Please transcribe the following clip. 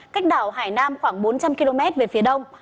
cách đảo hải nam khoảng bốn trăm linh km về phía đông